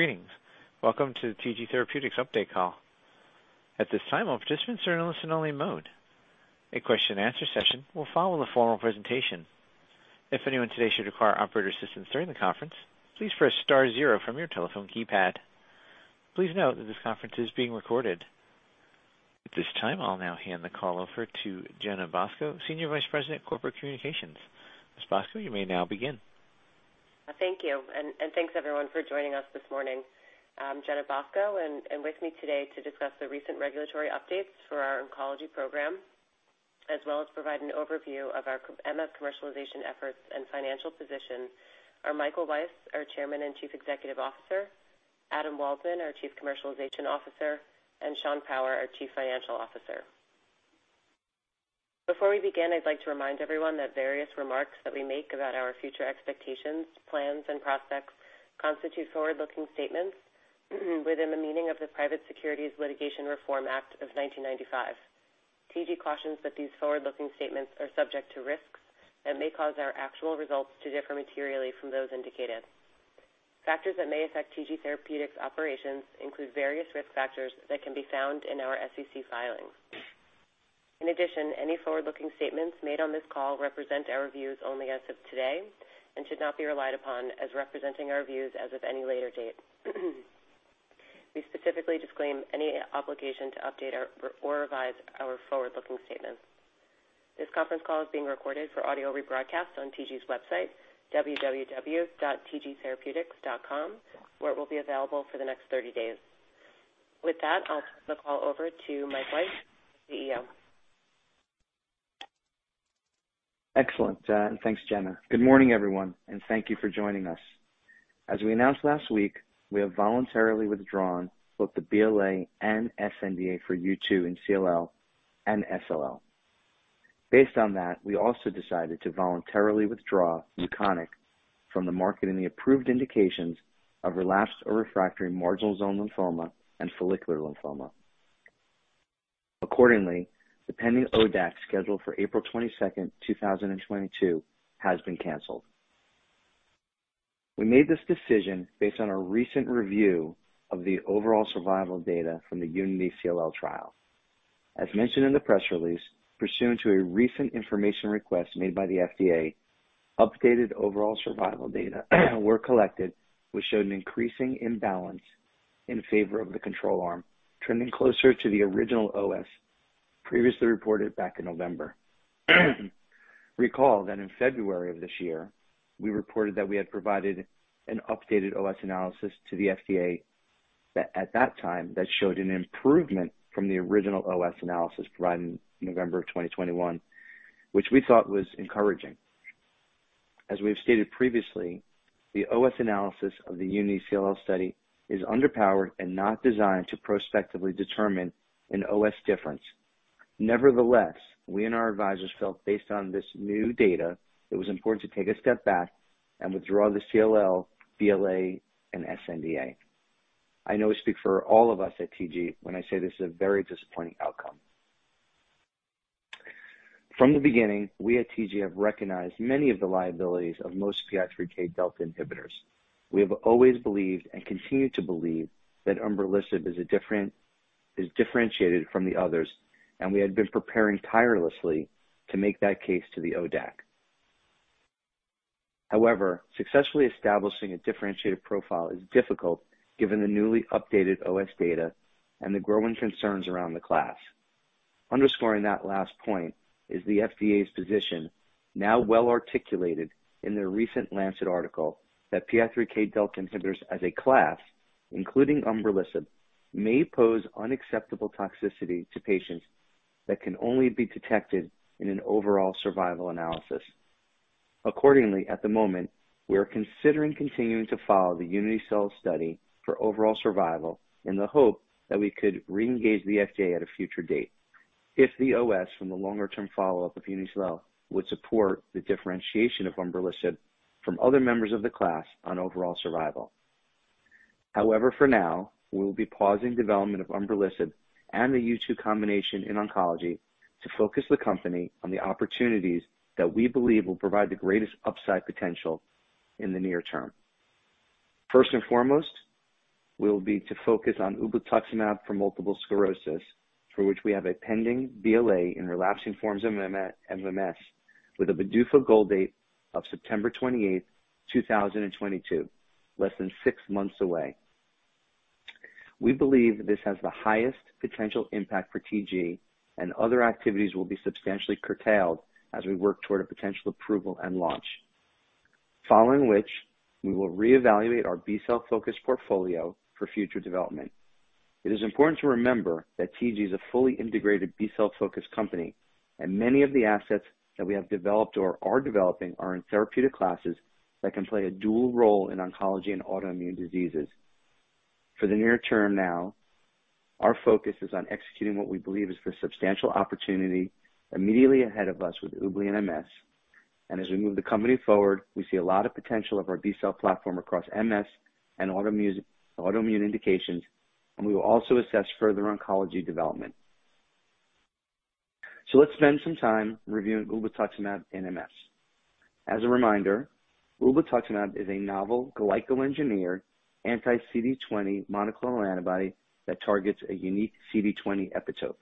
Greetings. Welcome to the TG Therapeutics Update Call. At this time, all participants are in listen-only mode. A question and answer session will follow the formal presentation. If anyone today should require operator assistance during the conference, please press star zero from your telephone keypad. Please note that this conference is being recorded. At this time, I'll now hand the call over to Jenna Bosco, Senior Vice President of Corporate Communications. Ms. Bosco, you may now begin. Thank you, and thanks, everyone, for joining us this morning. I'm Jenna Bosco, and with me today to discuss the recent regulatory updates for our oncology program, as well as provide an overview of our MS commercialization efforts and financial position are Michael Weiss, our Chairman and Chief Executive Officer; Adam Waldman, our Chief Commercialization Officer; and Sean Power, our Chief Financial Officer. Before we begin, I'd like to remind everyone that various remarks that we make about our future expectations, plans and prospects constitute forward-looking statements within the meaning of the Private Securities Litigation Reform Act of 1995. TG cautions that these forward-looking statements are subject to risks that may cause our actual results to differ materially from those indicated. Factors that may affect TG Therapeutics operations include various risk factors that can be found in our SEC filings. In addition, any forward-looking statements made on this call represent our views only as of today and should not be relied upon as representing our views as of any later date. We specifically disclaim any obligation to update our or revise our forward-looking statements. This conference call is being recorded for audio rebroadcast on TG's website, www.tgtherapeutics.com, where it will be available for the next thirty days. With that, I'll turn the call over to Mike Weiss, CEO. Excellent. Thanks, Jenna. Good morning, everyone, and thank you for joining us. As we announced last week, we have voluntarily withdrawn both the BLA and sNDA for U2 in CLL and SLL. Based on that, we also decided to voluntarily withdraw UKONIQ from the market in the approved indications of relapsed or refractory marginal zone lymphoma and follicular lymphoma. Accordingly, the pending ODAC scheduled for April 22nd, 2022 has been canceled. We made this decision based on a recent review of the overall survival data from the UNITY-CLL trial. As mentioned in the press release, pursuant to a recent information request made by the FDA, updated overall survival data were collected, which showed an increasing imbalance in favor of the control arm, trending closer to the original OS previously reported back in November. Recall that in February of this year, we reported that we had provided an updated OS analysis to the FDA that at that time showed an improvement from the original OS analysis provided in November 2021, which we thought was encouraging. As we have stated previously, the OS analysis of the UNITY-CLL study is underpowered and not designed to prospectively determine an OS difference. Nevertheless, we and our advisors felt, based on this new data, it was important to take a step back and withdraw the CLL BLA and sNDA. I know I speak for all of us at TG when I say this is a very disappointing outcome. From the beginning, we at TG have recognized many of the liabilities of most PI3K delta inhibitors. We have always believed, and continue to believe, that umbralisib is differentiated from the others, and we had been preparing tirelessly to make that case to the ODAC. However, successfully establishing a differentiated profile is difficult given the newly updated OS data and the growing concerns around the class. Underscoring that last point is the FDA's position, now well articulated in their recent The Lancet article, that PI3K delta inhibitors as a class, including umbralisib, may pose unacceptable toxicity to patients that can only be detected in an overall survival analysis. Accordingly, at the moment, we are considering continuing to follow the UNITY-CLL study for overall survival in the hope that we could re-engage the FDA at a future date if the OS from the longer-term follow-up of UNITY-CLL would support the differentiation of umbralisib from other members of the class on overall survival. However, for now, we will be pausing development of umbralisib and the U2 combination in oncology to focus the company on the opportunities that we believe will provide the greatest upside potential in the near term. First and foremost will be to focus on ublituximab for multiple sclerosis, for which we have a pending BLA in relapsing forms of RMS, with a PDUFA goal date of September 28th, 2022, less than six months away. We believe this has the highest potential impact for TG, and other activities will be substantially curtailed as we work toward a potential approval and launch. Following which, we will reevaluate our B-cell focused portfolio for future development. It is important to remember that TG is a fully integrated B-cell focused company, and many of the assets that we have developed or are developing are in therapeutic classes that can play a dual role in oncology and autoimmune diseases. For the near term now, our focus is on executing what we believe is the substantial opportunity immediately ahead of us with ublituximab in MS. As we move the company forward, we see a lot of potential of our B-cell platform across MS and autoimmune indications, and we will also assess further oncology development. Let's spend some time reviewing ublituximab in MS. As a reminder, ublituximab is a novel glycoengineered anti-CD20 monoclonal antibody that targets a unique CD20 epitope.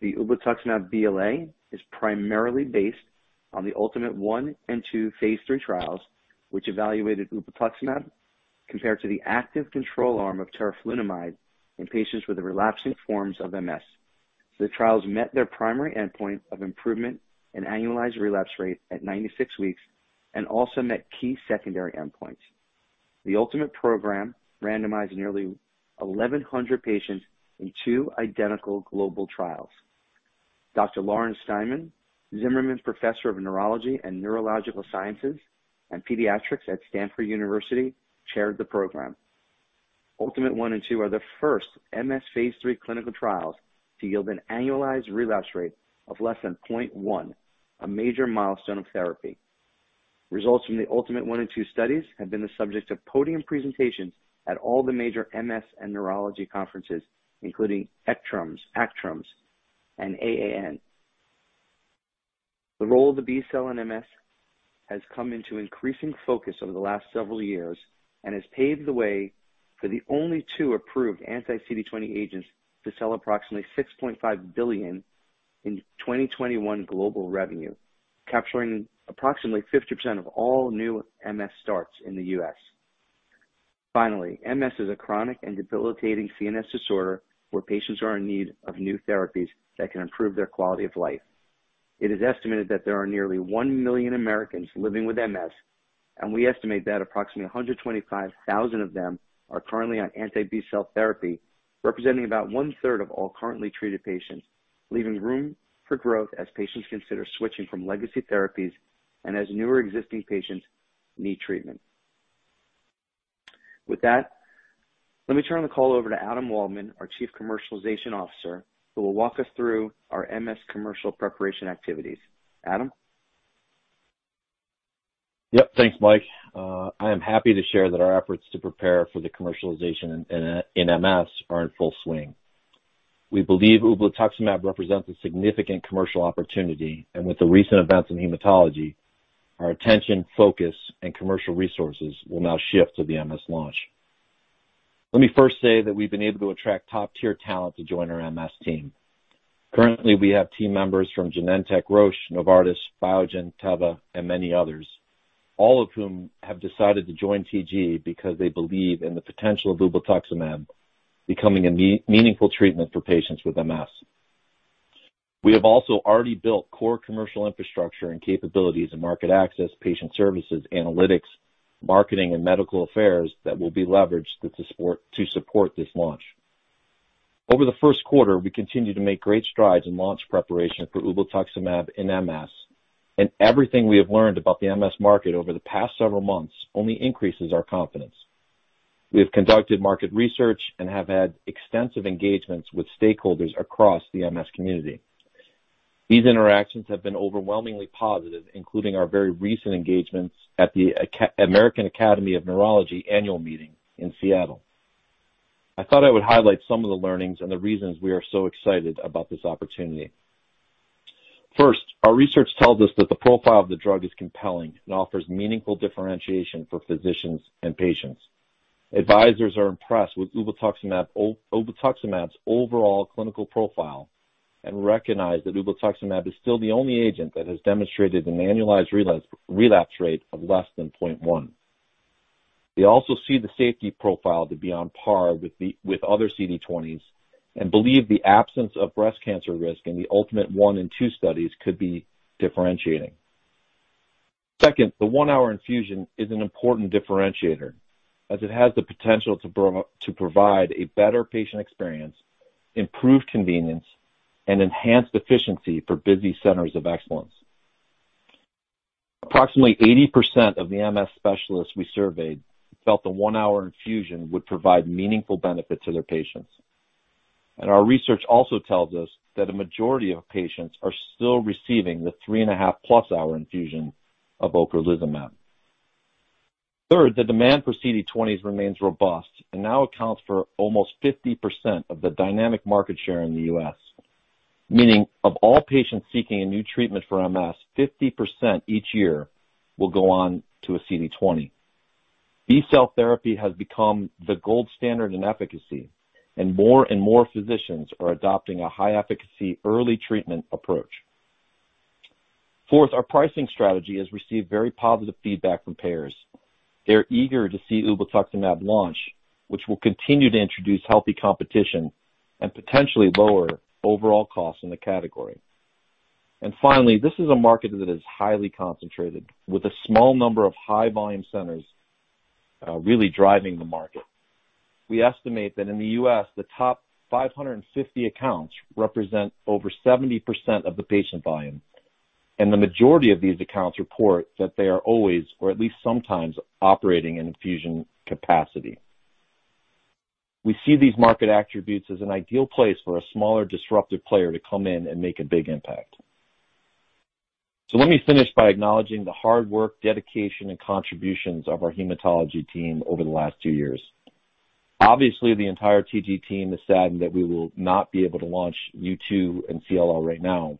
The ublituximab BLA is primarily based on the ULTIMATE I and II Phase 3 trials, which evaluated ublituximab compared to the active control arm of teriflunomide in patients with relapsing forms of MS. The trials met their primary endpoint of improvement in annualized relapse rate at 96 weeks and also met key secondary endpoints. The ULTIMATE program randomized nearly 1,100 patients in two identical global trials. Dr. Lawrence Steinman, Zimmerman Professor of Neurology and Neurological Sciences and Pediatrics at Stanford University, chaired the program. ULTIMATE I and II are the first MS Phase 3 clinical trials to yield an annualized relapse rate of less than 0.1, a major milestone of therapy. Results from the ULTIMATE I and II studies have been the subject of podium presentations at all the major MS and neurology conferences, including ECTRIMS, ACTRIMS, and AAN. The role of the B-cell in MS has come into increasing focus over the last several years and has paved the way for the only two approved anti-CD20 agents to sell approximately $6.5 billion in 2021 global revenue, capturing approximately 50% of all new MS starts in the U.S. Finally, MS is a chronic and debilitating CNS disorder where patients are in need of new therapies that can improve their quality of life. It is estimated that there are nearly 1 million Americans living with MS, and we estimate that approximately 125,000 of them are currently on anti-B-cell therapy, representing about 1/3 of all currently treated patients, leaving room for growth as patients consider switching from legacy therapies and as newer existing patients need treatment. With that, let me turn the call over to Adam Waldman, our Chief Commercialization Officer, who will walk us through our MS commercial preparation activities. Adam? Yep. Thanks, Mike. I am happy to share that our efforts to prepare for the commercialization in MS are in full swing. We believe ublituximab represents a significant commercial opportunity, and with the recent events in hematology, our attention, focus, and commercial resources will now shift to the MS launch. Let me first say that we've been able to attract top-tier talent to join our MS team. Currently, we have team members from Genentech, Roche, Novartis, Biogen, Teva, and many others, all of whom have decided to join TG because they believe in the potential of ublituximab becoming a meaningful treatment for patients with MS. We have also already built core commercial infrastructure and capabilities in market access, patient services, analytics, marketing, and medical affairs that will be leveraged to support this launch. Over the first quarter, we continued to make great strides in launch preparation for ublituximab in MS, and everything we have learned about the MS market over the past several months only increases our confidence. We have conducted market research and have had extensive engagements with stakeholders across the MS community. These interactions have been overwhelmingly positive, including our very recent engagements at the American Academy of Neurology Annual Meeting in Seattle. I thought I would highlight some of the learnings and the reasons we are so excited about this opportunity. First, our research tells us that the profile of the drug is compelling and offers meaningful differentiation for physicians and patients. Advisors are impressed with ublituximab's overall clinical profile and recognize that ublituximab is still the only agent that has demonstrated an annualized relapse rate of less than 0.1. They also see the safety profile to be on par with other CD20s and believe the absence of breast cancer risk in the ULTIMATE I and II studies could be differentiating. Second, the one-hour infusion is an important differentiator as it has the potential to provide a better patient experience, improve convenience, and enhance efficiency for busy centers of excellence. Approximately 80% of the MS specialists we surveyed felt the one-hour infusion would provide meaningful benefit to their patients. Our research also tells us that a majority of patients are still receiving the 3.5+ hour infusion of ocrelizumab. Third, the demand for CD20 remains robust and now accounts for almost 50% of the DMT market share in the U.S., meaning of all patients seeking a new treatment for MS, 50% each year will go on to a CD20. B-cell therapy has become the gold standard in efficacy, and more and more physicians are adopting a high-efficacy early treatment approach. Fourth, our pricing strategy has received very positive feedback from payers. They're eager to see ublituximab launch, which will continue to introduce healthy competition and potentially lower overall costs in the category. Finally, this is a market that is highly concentrated, with a small number of high volume centers, really driving the market. We estimate that in the U.S., the top 550 accounts represent over 70% of the patient volume, and the majority of these accounts report that they are always, or at least sometimes, operating in infusion capacity. We see these market attributes as an ideal place for a smaller disruptive player to come in and make a big impact. Let me finish by acknowledging the hard work, dedication, and contributions of our hematology team over the last two years. Obviously, the entire TG team is saddened that we will not be able to launch U2 and CLL right now.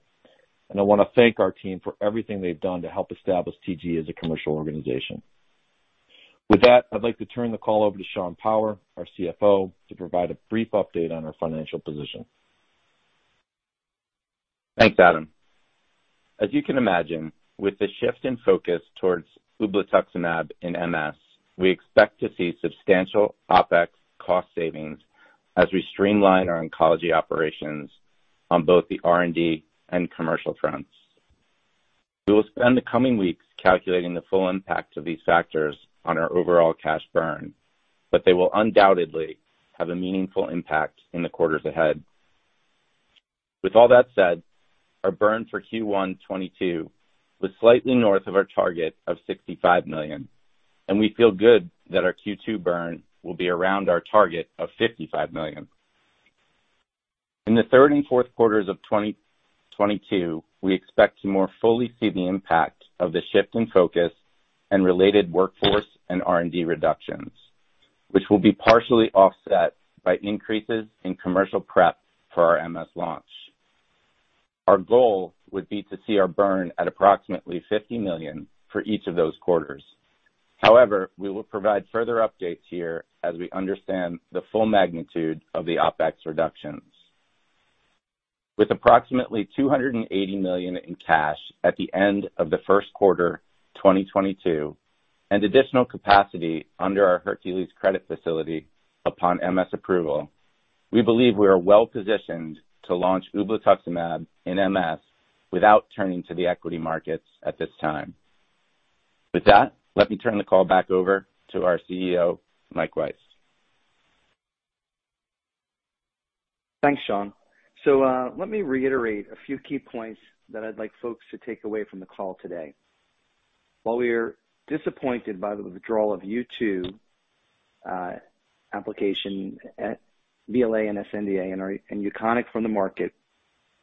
I want to thank our team for everything they've done to help establish TG as a commercial organization. With that, I'd like to turn the call over to Sean Power, our CFO, to provide a brief update on our financial position. Thanks, Adam. As you can imagine, with the shift in focus towards ublituximab in MS, we expect to see substantial OpEx cost savings as we streamline our oncology operations on both the R&D and commercial fronts. We will spend the coming weeks calculating the full impact of these factors on our overall cash burn, but they will undoubtedly have a meaningful impact in the quarters ahead. With all that said, our burn for Q1 2022 was slightly north of our target of $65 million, and we feel good that our Q2 burn will be around our target of $55 million. In the third and fourth quarters of 2022, we expect to more fully see the impact of the shift in focus and related workforce and R&D reductions, which will be partially offset by increases in commercial prep for RMS launch. Our goal would be to see our burn at approximately $50 million for each of those quarters. However, we will provide further updates here as we understand the full magnitude of the OpEx reductions. With approximately $280 million in cash at the end of the first quarter, 2022, and additional capacity under our Hercules credit facility upon MS approval, we believe we are well-positioned to launch ublituximab in MS without turning to the equity markets at this time. With that, let me turn the call back over to our CEO, Mike Weiss. Thanks, Sean. Let me reiterate a few key points that I'd like folks to take away from the call today. While we are disappointed by the withdrawal of U2 application at BLA and sNDA and UKONIQ from the market,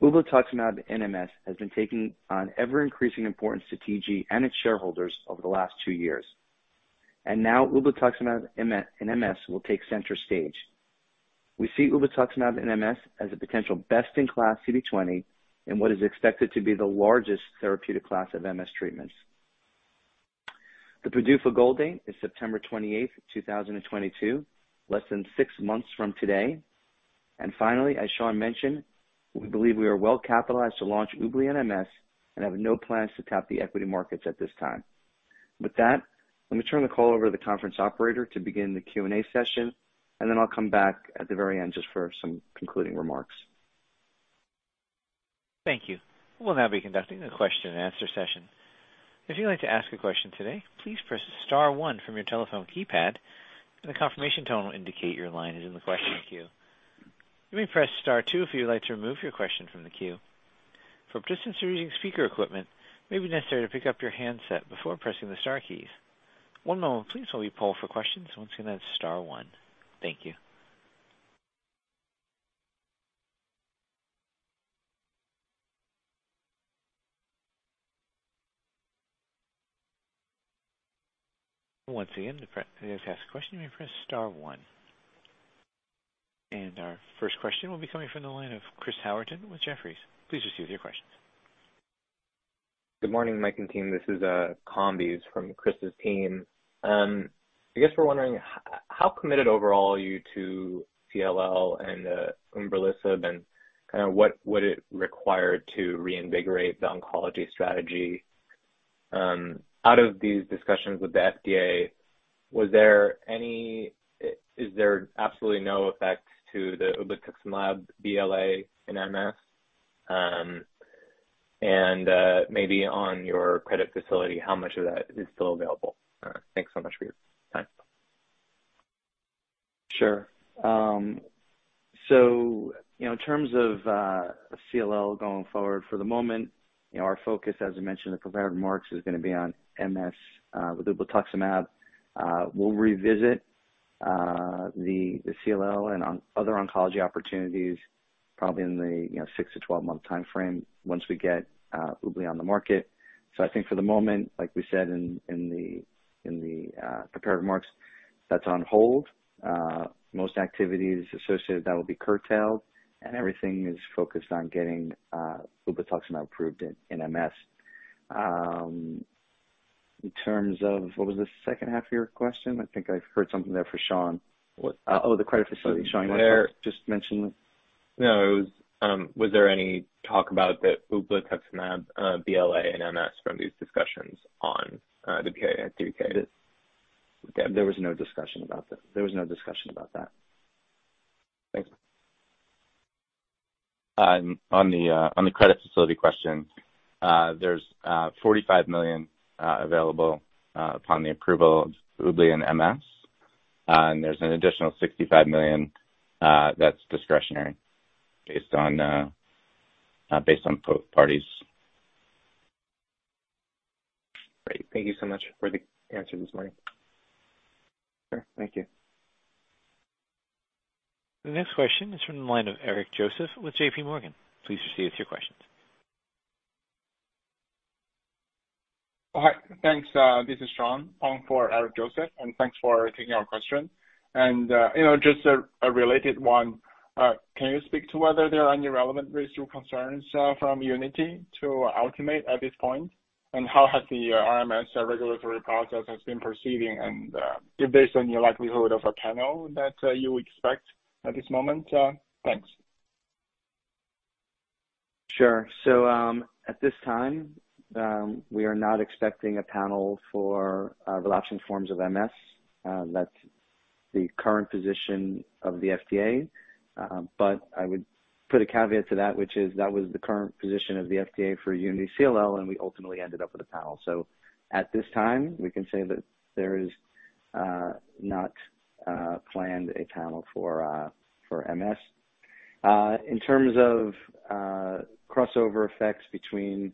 ublituximab in MS has been taking on ever-increasing importance to TG and its shareholders over the last two years. Now ublituximab in MS will take center stage. We see ublituximab in MS as a potential best-in-class CD20 in what is expected to be the largest therapeutic class of MS treatments. The PDUFA goal date is September 28th, 2022, less than six months from today. Finally, as Sean mentioned, we believe we are well-capitalized to launch ublituximab in MS and have no plans to tap the equity markets at this time. With that, let me turn the call over to the conference operator to begin the Q&A session, and then I'll come back at the very end just for some concluding remarks. Thank you. We'll now be conducting a question and answer session. If you'd like to ask a question today, please press star one from your telephone keypad, and a confirmation tone will indicate your line is in the question queue. You may press star two if you'd like to remove your question from the queue. For participants who are using speaker equipment, it may be necessary to pick up your handset before pressing the star keys. One moment, please, while we poll for questions. Once again, that's star one. Thank you. Once again, to ask a question, you may press star one. Our first question will be coming from the line of Chris Howerton with Jefferies. Please proceed with your questions. Good morning, Mike and team. This is Kambiz from Chris's team. I guess we're wondering how committed overall are you to CLL and umbralisib, and kinda what would it require to reinvigorate the oncology strategy? Out of these discussions with the FDA, is there absolutely no effect to the ublituximab BLA in MS? Maybe on your credit facility, how much of that is still available? Thanks so much for your time. Sure. You know, in terms of CLL going forward for the moment, you know, our focus, as I mentioned in the prepared remarks, is gonna be on MS with ublituximab. We'll revisit the CLL and other oncology opportunities probably in the, you know, six to 12-month timeframe once we get ublituximab on the market. I think for the moment, like we said in the prepared remarks, that's on hold. Most activities associated that will be curtailed, and everything is focused on getting ublituximab approved in MS. In terms of. What was the second half of your question? I think I heard something there for Sean. What- Oh, the credit facility. Sean, you wanna talk- Was there- Just mention the No. Was there any talk about the ublituximab BLA in MS from these discussions on the 10-K, 10-Q? There was no discussion about that. Thanks. On the credit facility question, there's $45 million available upon the approval of ublituximab in MS, and there's an additional $65 million that's discretionary based on both parties. Great. Thank you so much for the answers this morning. Sure. Thank you. The next question is from the line of Eric Joseph with JPMorgan. Please proceed with your questions. All right. Thanks. This is Sean on for Eric Joseph, and thanks for taking our question. You know, just a related one. Can you speak to whether there are any relevant racial concerns from UNITY to ULTIMATE at this point? How has the RMS regulatory process been proceeding? Based on your likelihood of a panel that you expect at this moment. Thanks. Sure. At this time, we are not expecting a panel for relapsing forms of MS. That's the current position of the FDA. I would put a caveat to that, which is that was the current position of the FDA for Unity CLL, and we ultimately ended up with a panel. At this time, we can say that there is not planned a panel for MS. In terms of crossover effects between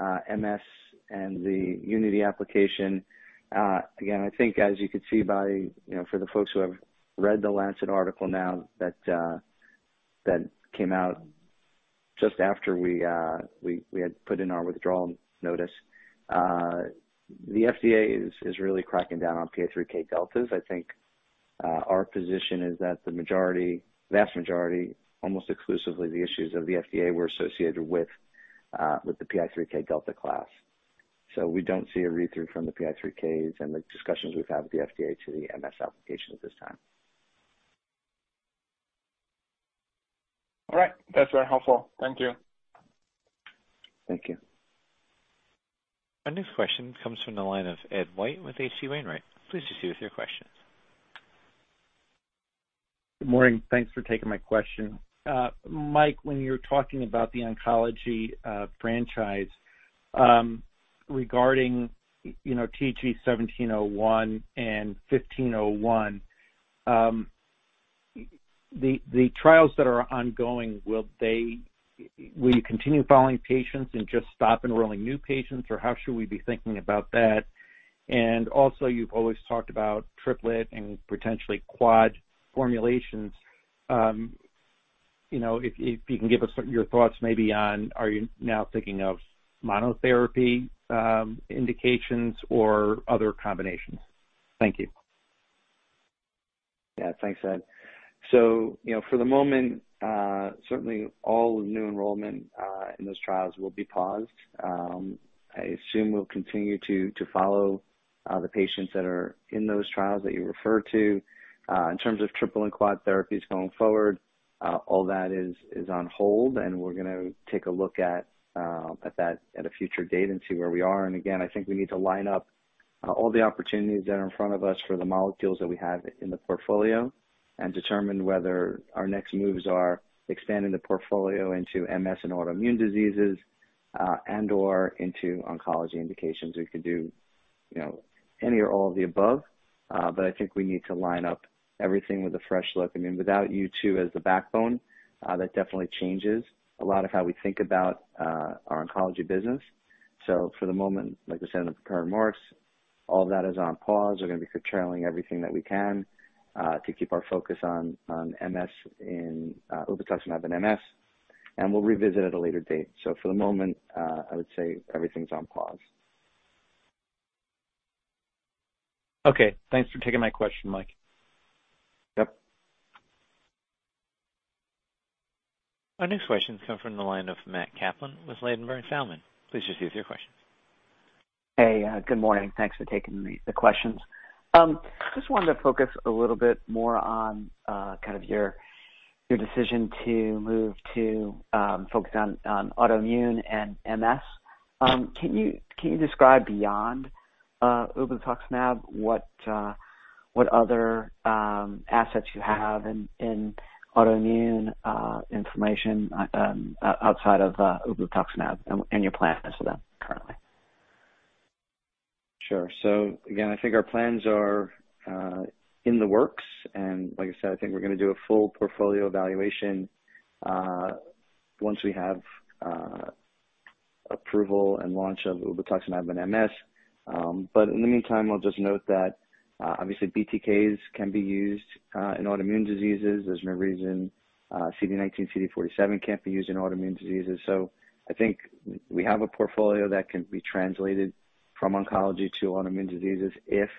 MS and the Unity application, again, I think as you could see by, you know, for the folks who have read The Lancet article now that that came out just after we had put in our withdrawal notice. The FDA is really cracking down on PI3K deltas. I think our position is that the majority, vast majority, almost exclusively the issues of the FDA were associated with the PI3K-delta class. We don't see a read through from the PI3Ks and the discussions we've had with the FDA to the MS application at this time. All right. That's very helpful. Thank you. Thank you. Our next question comes from the line of Ed White with H.C. Wainwright. Please proceed with your question. Good morning. Thanks for taking my question. Mike, when you're talking about the oncology franchise, regarding, you know, TG-1701 and TG-1501, the trials that are ongoing, will you continue following patients and just stop enrolling new patients, or how should we be thinking about that? And also, you've always talked about triplet and potentially quad formulations. You know, if you can give us your thoughts maybe on are you now thinking of monotherapy indications or other combinations? Thank you. Yeah. Thanks, Ed. For the moment, certainly all new enrollment in those trials will be paused. I assume we'll continue to follow the patients that are in those trials that you refer to. In terms of triple and quad therapies going forward, all that is on hold, and we're gonna take a look at that at a future date and see where we are. Again, I think we need to line up all the opportunities that are in front of us for the molecules that we have in the portfolio and determine whether our next moves are expanding the portfolio into MS and autoimmune diseases, and/or into oncology indications. We could do, you know, any or all of the above, but I think we need to line up everything with a fresh look. I mean, without U2 as the backbone, that definitely changes a lot of how we think about our oncology business. For the moment, like I said in the prepared remarks, all that is on pause. We're gonna be curtailing everything that we can to keep our focus on MS, ublituximab in MS, and we'll revisit at a later date. For the moment, I would say everything's on pause. Okay. Thanks for taking my question, Mike. Yep. Our next question comes from the line of Matt Kaplan with Ladenburg Thalmann. Please proceed with your question. Hey, good morning. Thanks for taking the questions. Just wanted to focus a little bit more on kind of your decision to move to focus on autoimmune and MS. Can you describe beyond ublituximab what other assets you have in autoimmune inflammation outside of ublituximab and your plan is for them currently? Sure. Again, I think our plans are in the works. Like I said, I think we're gonna do a full portfolio evaluation once we have approval and launch of ublituximab in MS. In the meantime, I'll just note that obviously BTKs can be used in autoimmune diseases. There's no reason CD19, CD47 can't be used in autoimmune diseases. I think we have a portfolio that can be translated from oncology to autoimmune diseases if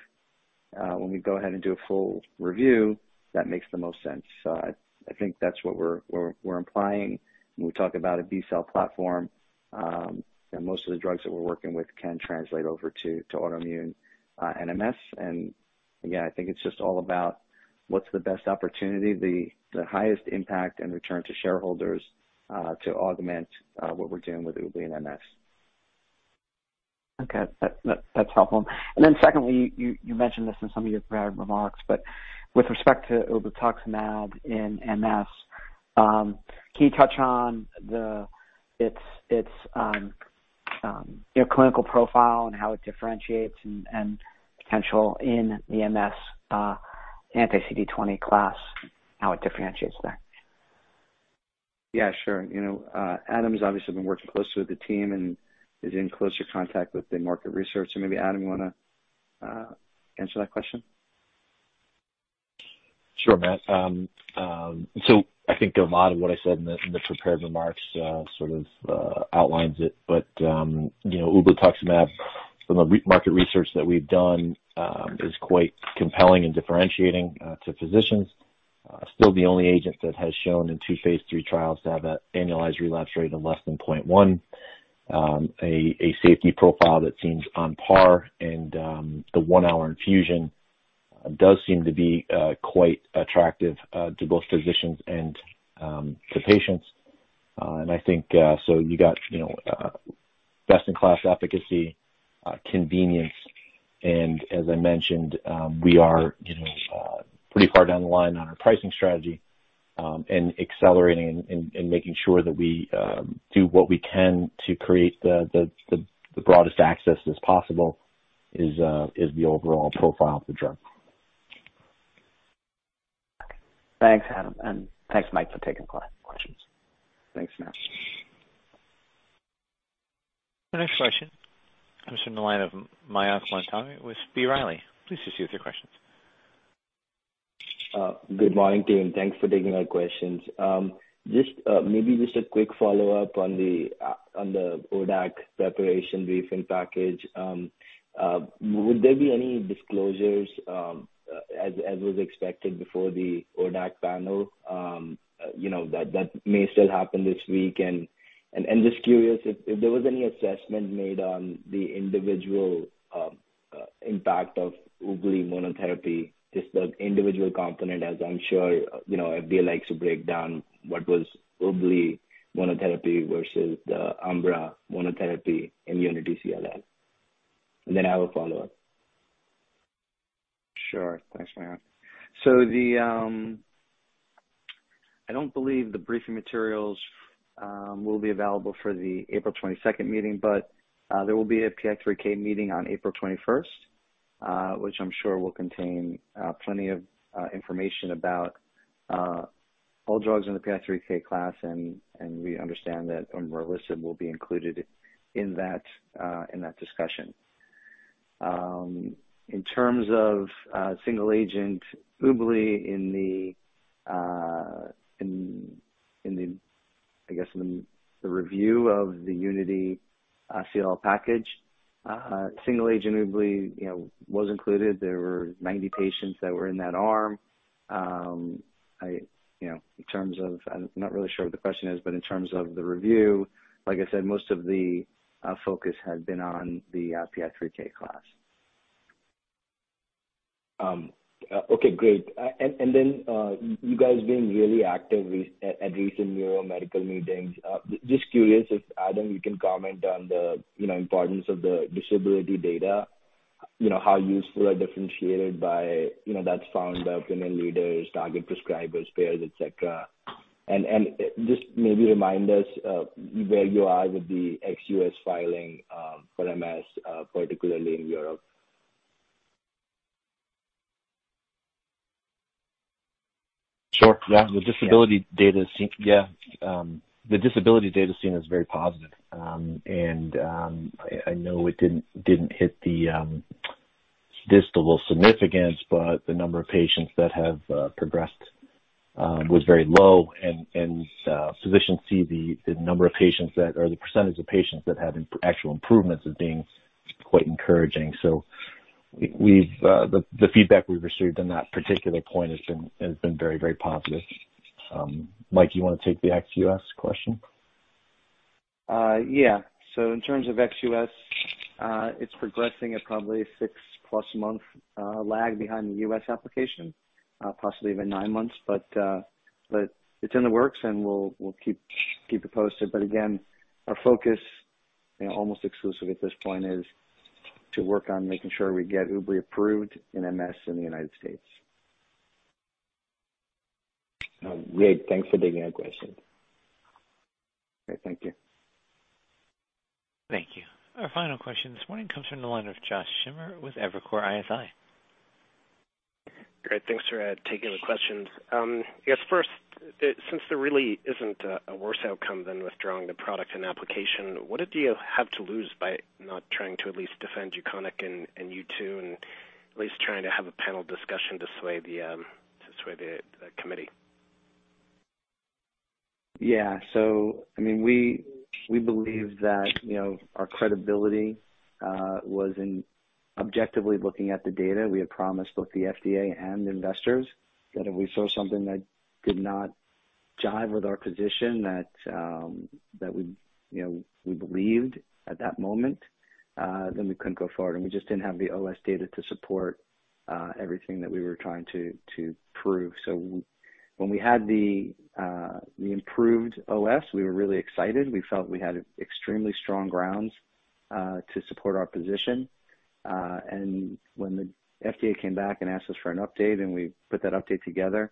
when we go ahead and do a full review, that makes the most sense. I think that's what we're implying when we talk about a B-cell platform, and most of the drugs that we're working with can translate over to autoimmune MS. Again, I think it's just all about what's the best opportunity, the highest impact and return to shareholders, to augment what we're doing with ublituximab in MS. Okay. That's helpful. Secondly, you mentioned this in some of your prior remarks, but with respect to ublituximab in MS, can you touch on its you know, clinical profile and how it differentiates and potential in the MS anti-CD20 class, how it differentiates there? Yeah, sure. You know, Adam's obviously been working closely with the team and is in closer contact with the market research. Maybe, Adam, you wanna answer that question? Sure, Matt. I think a lot of what I said in the prepared remarks sort of outlines it, but you know, ublituximab from a market research that we've done is quite compelling and differentiating to physicians. Still the only agent that has shown in two Phase 3 trials to have that annualized relapse rate of less than 0.1. A safety profile that seems on par and the one-hour infusion does seem to be quite attractive to both physicians and to patients. And I think so you got, you know, best in class efficacy, convenience. As I mentioned, we are, you know, pretty far down the line on our pricing strategy, and accelerating and making sure that we do what we can to create the broadest access as possible is the overall profile of the drug. Thanks, Adam, and thanks Mike for taking questions. Thanks, Matt. Our next question comes from the line of Mayank Mamtani with B. Riley. Please proceed with your questions. Good morning, team. Thanks for taking my questions. Just maybe a quick follow-up on the ODAC preparation briefing package. Would there be any disclosures, as was expected before the ODAC panel? You know, that may still happen this week. Just curious if there was any assessment made on the individual impact of ublituximab monotherapy, just the individual component, as I'm sure you know, FDA likes to break down what was ublituximab monotherapy versus the umbralisib monotherapy in UNITY-CLL. Then I have a follow-up. Sure. Thanks, Mayank. I don't believe the briefing materials will be available for the April 22nd meeting, but there will be a PI3K meeting on April 21st, which I'm sure will contain plenty of information about all drugs in the PI3K class. We understand that umbralisib will be included in that discussion. In terms of single agent ublituximab, I guess in the review of the UNITY-CLL package, single agent ublituximab you know was included. There were 90 patients that were in that arm. I, you know, in terms of, I'm not really sure what the question is, but in terms of the review, like I said, most of the focus has been on the PI3K class. Okay, great. And then you guys being really active at recent neuro medical meetings. Just curious if, Adam, you can comment on the importance of the disability data. You know, how useful or differentiated by that's found by opinion leaders, target prescribers, payers, et cetera. Just maybe remind us where you are with the ex-U.S. filing for MS, particularly in Europe. Sure, yeah. The disability data seen is very positive. I know it didn't hit the statistical significance, but the number of patients that have progressed was very low and physicians see the number of patients that, or the percentage of patients that have actual improvements as being quite encouraging. The feedback we've received on that particular point has been very positive. Mike, you wanna take the ex-U.S. question? Yeah. In terms of ex-U.S., it's progressing at probably six plus month lag behind the U.S. application, possibly even nine months. It's in the works and we'll keep you posted. Again, our focus, you know, almost exclusive at this point, is to work on making sure we get ublituximab approved in MS in the United States. Oh, great. Thanks for taking the question. Okay. Thank you. Thank you. Our final question this morning comes from the line of Josh Schimmer with Evercore ISI. Great. Thanks for taking the questions. I guess first, since there really isn't a worse outcome than withdrawing the product and application, what did you have to lose by not trying to at least defend UKONIQ and U2, and at least trying to have a panel discussion to sway the committee? I mean, we believe that, you know, our credibility was in objectively looking at the data. We had promised both the FDA and investors that if we saw something that did not jive with our position, that we, you know, we believed at that moment, then we couldn't go forward. We just didn't have the OS data to support everything that we were trying to prove. When we had the improved OS, we were really excited. We felt we had extremely strong grounds to support our position. When the FDA came back and asked us for an update and we put that update together,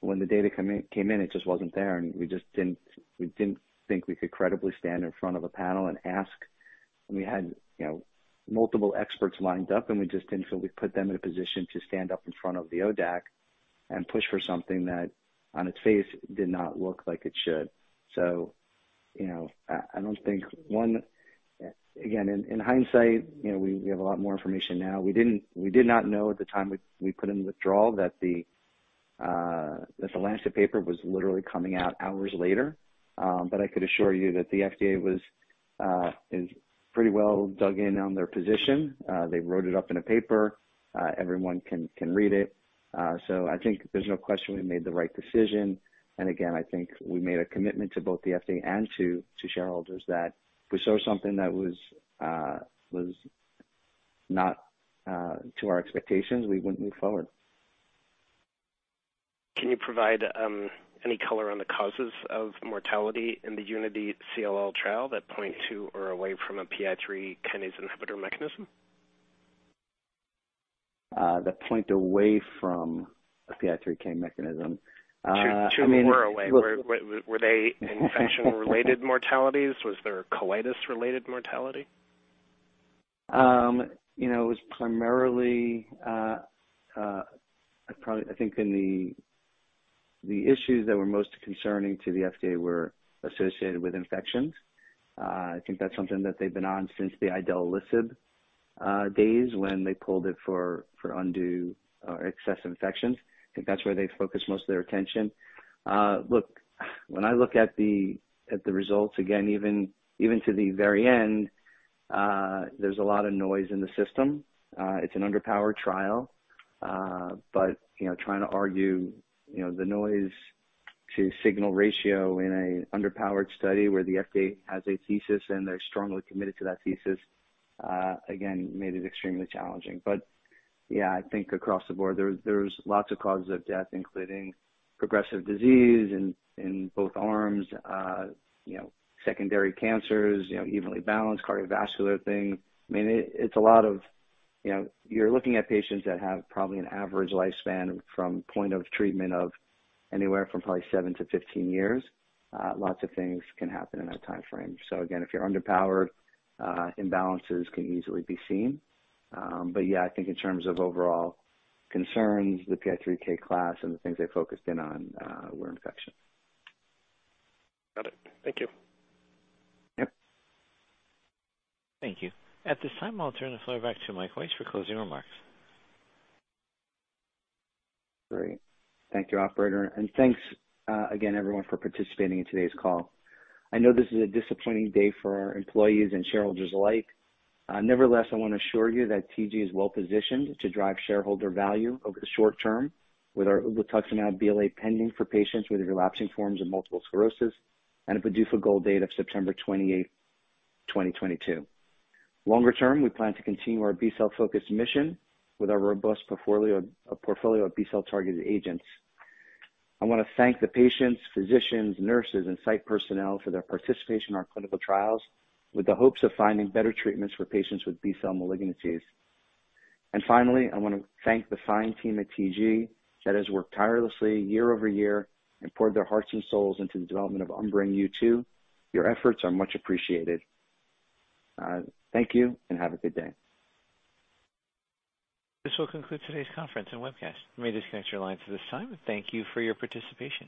when the data came in, it just wasn't there. We just didn't think we could credibly stand in front of a panel and ask. We had, you know, multiple experts lined up, and we just didn't feel we put them in a position to stand up in front of the ODAC and push for something that on its face did not look like it should. You know, I don't think. Again, in hindsight, you know, we have a lot more information now. We did not know at the time we put in the withdrawal that The Lancet paper was literally coming out hours later. But I could assure you that the FDA was is pretty well dug in on their position. They wrote it up in a paper. Everyone can read it. I think there's no question we made the right decision. Again, I think we made a commitment to both the FDA and to shareholders that if we saw something that was not to our expectations, we wouldn't move forward. Can you provide any color on the causes of mortality in the UNITY-CLL trial that point to or away from a PI3K inhibitor mechanism? That point away from a PI3K mechanism. Were they infection-related mortalities? Was there colitis-related mortality? You know, it was primarily. I think the issues that were most concerning to the FDA were associated with infections. I think that's something that they've been on since the idelalisib days when they pulled it for undue or excess infections. I think that's where they focused most of their attention. Look, when I look at the results, again, even to the very end, there's a lot of noise in the system. It's an underpowered trial. You know, trying to argue the noise-to-signal ratio in a underpowered study where the FDA has a thesis and they're strongly committed to that thesis, again, made it extremely challenging. Yeah, I think across the board there's lots of causes of death, including progressive disease in both arms, you know, secondary cancers, you know, evenly balanced cardiovascular thing. I mean, it's a lot. You know, you're looking at patients that have probably an average lifespan from point of treatment of anywhere from probably 7-15 years. Lots of things can happen in that timeframe. Again, if you're underpowered, imbalances can easily be seen. Yeah, I think in terms of overall concerns, the PI3K class and the things they focused in on were infection. Got it. Thank you. Yep. Thank you. At this time, I'll turn the floor back to Mike Weiss for closing remarks. Great. Thank you, operator. Thanks, again everyone for participating in today's call. I know this is a disappointing day for our employees and shareholders alike. Nevertheless, I wanna assure you that TG is well-positioned to drive shareholder value over the short term with our ublituximab BLA pending for patients with relapsing forms of multiple sclerosis and a PDUFA goal date of September 28th, 2022. Longer term, we plan to continue our B-cell focused mission with our robust portfolio, a portfolio of B-cell targeted agents. I wanna thank the patients, physicians, nurses, and site personnel for their participation in our clinical trials with the hopes of finding better treatments for patients with B-cell malignancies. Finally, I wanna thank the science team at TG that has worked tirelessly year over year and poured their hearts and souls into the development of U2. Your efforts are much appreciated. Thank you and have a good day. This will conclude today's conference and webcast. You may disconnect your lines at this time. Thank you for your participation.